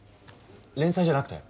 連載じゃなくて？